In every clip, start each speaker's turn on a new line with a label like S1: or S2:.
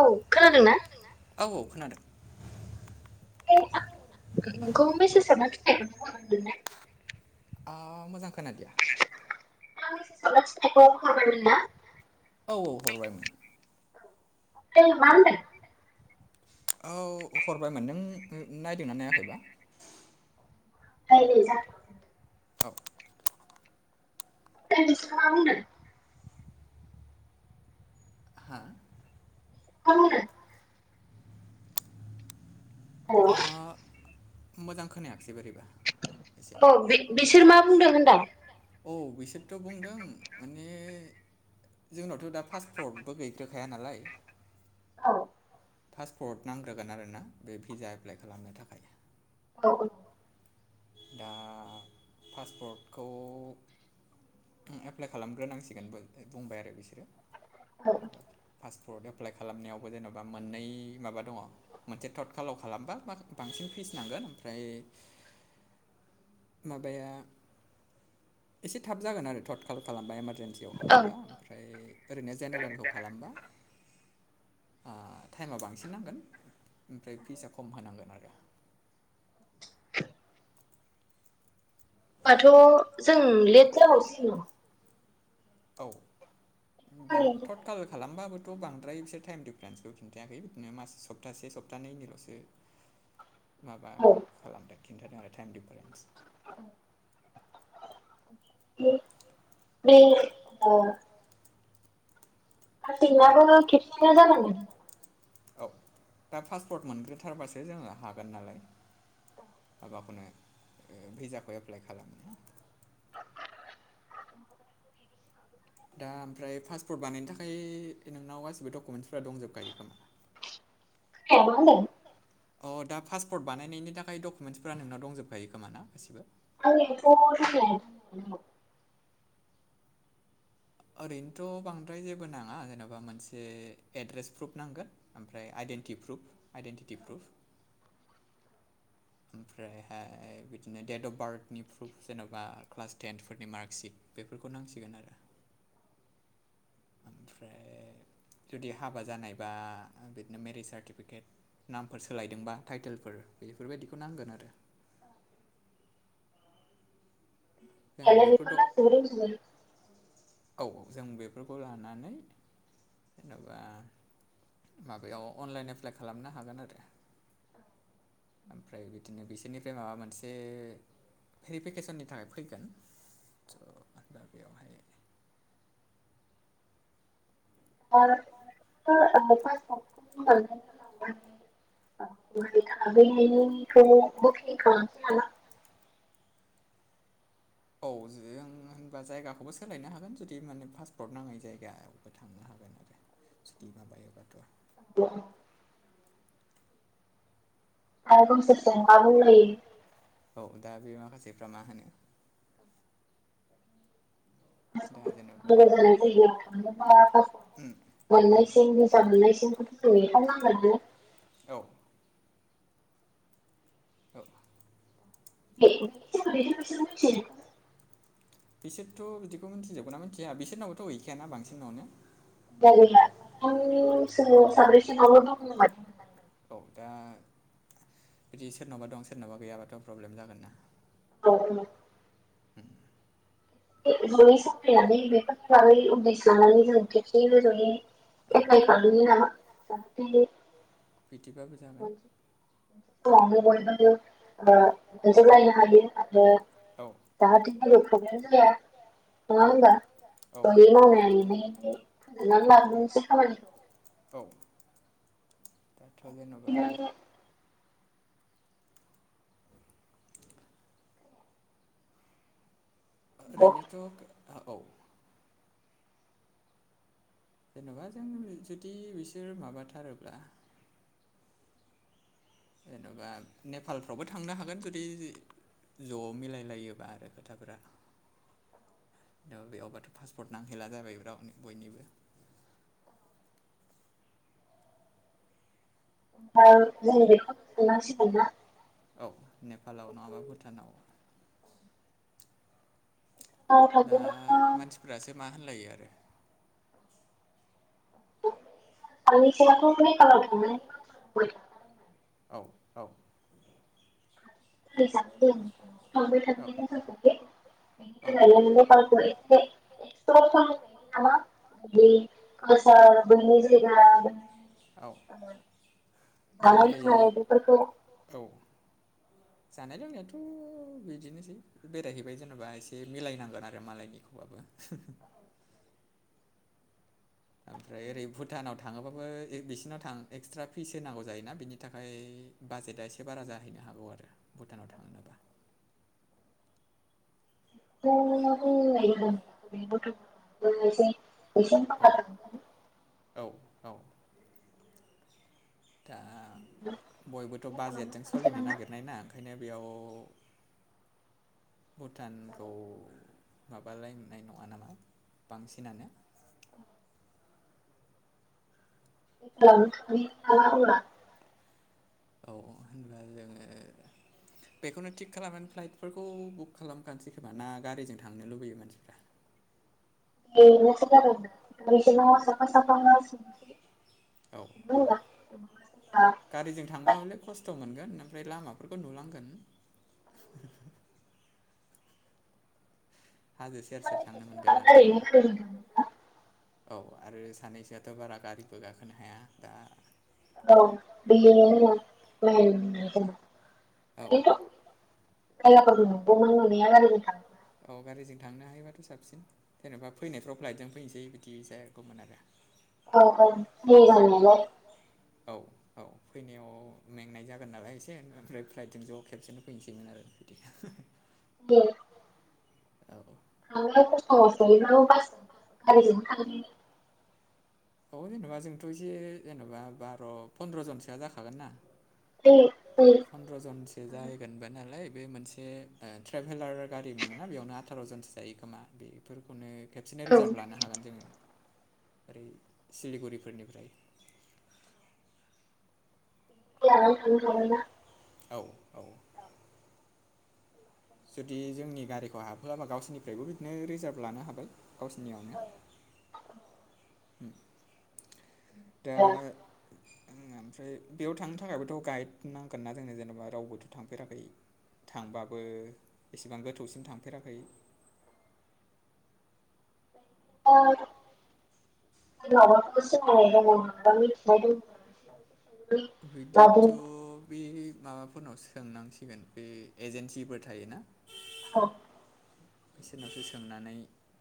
S1: औ खोनादोंना?
S2: औ औ खोनादों।
S1: गबेस स [unintelligible]
S2: आ मोजां खोनादिया।
S1: माबा थिसन्नायखौ खामबायमोनना?
S2: औ औ हरबायमोन।
S1: दय मा होनदों?
S2: औ हरबायमोन नों नायदोंना नायाखैबा?
S1: नायनाय जाथ
S2: थाब
S1: नोंबिफोरखौ मा बुंदों?
S2: हा
S1: मा बुंदों।
S2: आं मोजां खोनायाखैसै बोरै
S1: अ बि बिसोर मा बुंदों होनदा
S2: बिसोरथ' बुंदों माने जोंनावथ' दा पासपर्टबो गैयथखाया नालाय।
S1: औ।
S2: पासपर्ट नांग्रोगोन आरोना बे भिजा एप्लाइ खालामनो थाखाय।
S1: औ औ।
S2: दा पासपर्टखौ एप्लाइ खालामग्रोनांसिगोन बो बुंबाय आरो बिसोरो।
S1: औ।
S2: पासपर्ट एप्लाइ खालामनायावबो जेन'बा मोननै माबा दङ मोनसे थट खालाव खालामबा बा बांसिन फिसनांगोन ओमफ्राय माबाया एसे थाब जागोन आरो थट खालाव खालामबा एम मोनसेआव खालामबा औ ओमफ्राय ओरैनो जेनेरेलखौ खालामबा
S1: [inaudible]
S2: ओ टाइमा बांसिन नांगोन ओमफ्राय फिसा खम होनांगोन आरो।
S1: होमबाथ' जों लेट जाबावसिगोन।
S2: औ बां थटकालाव खालामबाबो थ' बांद्रायइसोर टाइम दिफारेन्सखौ खिन्थायाखै बिदिनो मास सप्तासे सप्तानैैनिल'सो
S1: औ
S2: माबा खालामदों खिन्थादों आरो टाइम दिफारेन्स।
S1: औ औ बे बे अ। फाथैनाबो‌ खेबसेनो जानांगौ।
S2: औ दा पासपर्ट मोनग्रोथारबासो जोङो हागोन नालाय। माबाखौनो भिजाखौ एप्लाइ खालामोना। दा ओमफ्राय पासपर्ट बानायनो थाखाय नोंनाव गासिबो डकुमेन्टसफोरा दंजोबखायो खोमा?
S1: कादबो होजागोन?
S2: अ दा पासपर्ट बानायनायनि थाखाय डकुमेन्टसफोरा नोंनाव दंजोबखायो खोमा ना गासिबो?
S1: आंनिआथ दंखायो बेफो
S2: ओरैनोथ' बांद्राय जेबो नाङा जेन'बा मोनसे एड्रेस प्रुफ नांगोन, ओमफ्राय आइदि पु्ब। Identity proof, identity proof. ओमफ्रायहाय बिदिनो डेट अफ बार्थनि प्रुफ, जेन'बा क्लास टेन फोरनि मार्कशिट। बेफोरखौ नांसिगोन आरो।
S1: [unintelligible] [inaudible]
S2: ओमफ्राय जुदि हाबा जानायबा बिदिनो मेरिट सार्टिफिकेट नामफोर सोलायदोंबा टाइटेलफोर बेफोरबायदिखौ नांगोन आरो।
S1: [inaudible] थालेर बिफां [unintelligible]
S2: औ औ जों बेफोरखौ लानानै जेनेबा माबायाव अनलाइन एप्लाइ खालामनो हागोन आरो ओमफ्राय बिदिनो बिसोरनिफ्राय माबा मोनसे भेरिफेकेसननि थाखाय फैगोन।
S1: औ [unintelligible] मै थाबै खौ बुकिं खालामनोसै नामा
S2: औ जों होनबा जायगाखौबो सोलायनो हागोन जुदि माने पासपर्ट नाङै जायगायावबो थांनो हागोन।
S1: [unintelligible]
S2: सुथिङा बायो बाथ'
S1: [unintelligible] आरो गावसोरसो मा बुंलायो।
S2: सिफ्रा मा होनो? दा जेन'बा उम
S1: मोननायसिम बिजाब मोननायसिमखौथ' नेथारनांगोननो।
S2: औ
S1: [unintelligible]
S2: बिसोरथ' बिदिखौ मिनथिजोबगोना मिथिया बिसोरनावबोथ' गैखायाना बांसिनावनो।
S1: [unintelligible]
S2: औ दा बिदि सोरनावबा दं सोरनावबा गैयाबाथ' प्रब्लेम जागोन ना।
S1: ओं जयै साफायनानै बेफोरनि बागै उदिस लानानै जों खेबसेनो जयै एप्लाइ खालामनि नामा जाहाथे
S2: बिदि [unintelligible]
S1: खवावनो बयबो ओ मोनजोबलायनो हायो आरो ददिखायनो जाया। नङा होमबा दाहायनि मावनाय लिरनायफोरखौ फोजोबना ‌लाग्रोनो
S2: औ दाथ' जेन'बा आ ओरैनोथ'ओ औ जेन'बा जों जुदि बिसोर माबाथारोब्ला जेन'बा नेपालफ्रावबो थांनो हागोन जुदि ज' मिलायलायोबा आरो खोथाफोरा। दा बेयावबाथ' पासपर्ट नांहैला जाबाय राव बयनिबो।
S1: दा जों बेखौनो सोंनांसिगोन ना?
S2: दा मानसिफोरासो मा होनलायो आरो।
S1: [unintelligible]
S2: औ औ
S1: दालि जाबदों थांबाय थानाय [unintelligible] बेनिखायनो [unintelligible] नेपालखौ एसे इन्स्थल खालामबाय थायोमोन नामा बिनि कालसार बैनि जायगा बनि जानाय लोंनाय बेफोरखौ
S2: जानाय लोंनायाथ' बिदिनोसै बेरायहैबाय जेनेबा एसे मिलायनांगोन आरो मालायनिखौ [unintelligible]
S1: [unintelligible]
S2: ओमफ्राय ओरै भुटानाव थाङोबाबो बिसिरनाव थां एक्सट्रा फिस होनांगौ जायोना बिनि थाखाय। बे बाजेटआ एसे बारा जाहैनो हागौ आरो भुटानाव थांनोबा।
S1: औ। [unintelligible] [unintelligible]
S2: औ औ। दा बयबोथ' बाजेटजों सलिनो नागिरनाय ना ओंखायनो बेयाव भुटानखौ माबालाय मोननाय नङा नामा बांसिनानो।
S1: [unintelligible]
S2: औ औ होनबा जोङो बेखौनो थिग खालामनानै फ्लाइटफोरखौ बुक खालामखानोसै खोमा ना गारिजों थांनो लुबैयो मानसिफ्रा?
S1: [unintelligible]
S2: औ औ गारिजों थांबा हले खस्थ' मोन गोन ओमफ्राय लामाफोरखौ नुलांगोन।
S1: साननैसो सिगां [unintelligible]
S2: औ आरो सानैसोआथ' बारा गारिबो गाखोनो हाया दा
S1: औ [unintelligible] [unintelligible]
S2: थांनो हायोबाथ' साबसिन जेन'बा फैनायफ्राव फ्लाइटजों फैनोसै बिदि जागौमोन आरो। औ औ फैनायाव मेंनाय जागोन नालाय एसे ओमफ्राय फ्लाइटजों ज' खेबसेनो फैनोसैमोन आरो। [inaudible]
S1: दे।
S2: औ।
S1: थांनाया खस्थ मस्थयै बाबो बासजों गारिजोंनो थागोन‌ ने?
S2: औ जेनेबा जोंथ' एसे जेनेबा बार' फन्द्र'जनसोआ जाखागोन ना। फन्द्रजनसो जाहैगोनबो नालाय बे मोनसे ओ ट्रेभेलार गारि मोनोना बेयावनो आथार'जनसो जायो खोमा बेफोरखौनो खेबसेनो रिजार्भ लानो हागोन जोङो ओरै सिलिगुरिफोरनिफ्राय।
S1: लानानै थांनो हागोन ना
S2: औ औ। जुदि जोंनि गारिखौ हाबहोआबा गावसोरनिफ्रायबो बिदिनो रिजार्भ लानो हाबाय गावसोरनियावनो।
S1: [inaudible]
S2: उम। दा
S1: [inaudible]
S2: ओमफ्राय बेयाव थांनो थाखायबोथ' गाइड नांगोन ना जोंनो जेनेबा रावबोथ' थांफेराखै। थांबाबो एसेबां गोथौसिम थांफेराखै।
S1: [inaudible] [unintelligible] [unintelligible]
S2: बिदिथ' बे माबाफोरनाव सोंनांसिगोन बे एजेन्सिफोर थायो ना।
S1: औ।
S2: बिसोरनावसो सोंनानै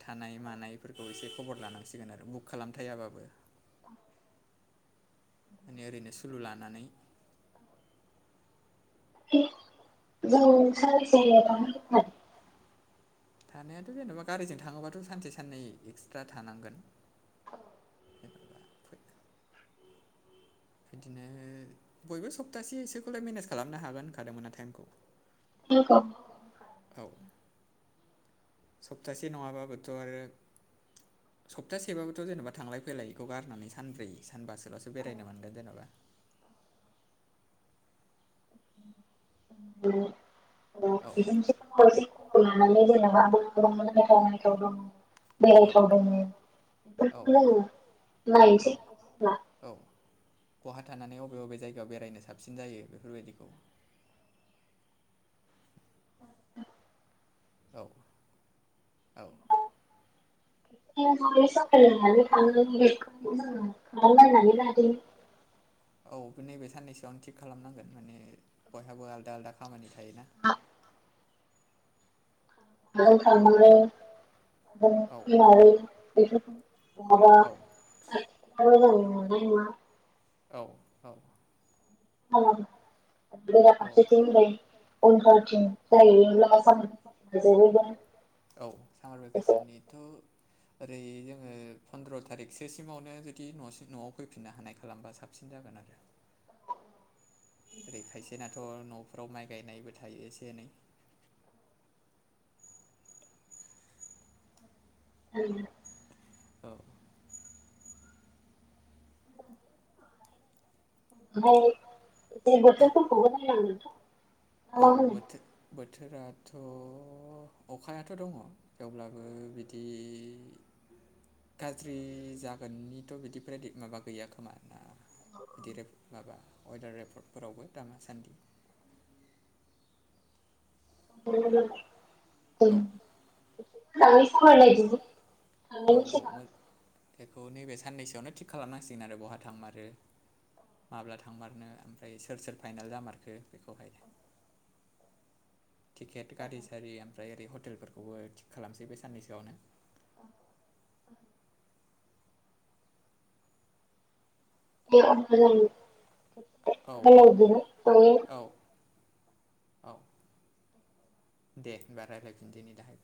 S2: थानाय मानायफोरखौ एसे खबर लानांसिगोन आरो बुक खालामथायाबाबो।
S1: [inaudible]
S2: माने ओरैनो सुलु लानानै
S1: [unintelligible]
S2: थानायाथ' जेन'बा गारिजों थाङोबाथ' सानसे साननै एक्सट्रा थानांगोन। बिदिनो बयबो सप्तासे एसेखौलाय मेनेज खालामनो हागोन होनखादोंमोना टाइमखौ।
S1: [unintelligible]
S2: औ। सप्तासे नङाबाबोथ' आरो सप्तासेबाबोथ' जेनेबा थांलाय फैलायखौ गारनानै सानब्रै सानबासोल'सो बेरायनो मोनगोन जेन'बा।
S1: [unintelligible] [unintelligible] बेरायथाव थावनो बेफोरखौनो नायनोसै नङा होमल्बा?
S2: बहा थानानै अबे अबे जायगायाव बेरायनो साबसिन जायो बेफोरबायदिखौ
S1: [inaudible]
S2: औ औ
S1: [unintelligible] [unintelligible]
S2: औ नैबे साननैसोआवनो थिग खालामनांगोन माने बयहाबो आलदा आलदा खामानि थायो
S1: [unintelligible] [unintelligible] [unintelligible] [unintelligible]
S2: औ औ
S1: [unintelligible] [unintelligible] जायोब्ला
S2: बेथ' ओरै जोङो फन्द्र' थारिखसो सिमावनो जुदि न' न'आव फैफिननो हानाय खालामबा साबसिन जागोन आरो। ओरै खायसेनाथ' न'फ्राव माइ गायनायबो थायो एसे एनै
S1: ओं
S2: औ
S1: ओमफाय ए बोथोरफोखौबो नायनांगोन नोंथां।
S2: औ बोथोर बोथोरा थ' अखायाथ' दङ थेवब्लाबो बिदि गाज्रि जागोननिथ' बिदि प्रेडिक माबा गैया खोमा ना? बिदि माबा वेडार रेपर्टफोरावबो दामासान्दि
S1: [unintelligible]
S2: औ औ बेखौ नैबे साननैसोआवनो थिग खालामनांसिगोन आरो बहा थांमारो माब्ला थांमारनो ओमफ्राय सोर सोर फाइनाल जामारखो बेखौहाय। टिकेट गारि सारि ओमफ्राय ओरै हटेलफोरखौबो थिक खालामसै बे साननैसोआवनो।
S1: औ ओं [unintelligible]
S2: औ दे होनबा रायलायफिनदोनि दाहाय।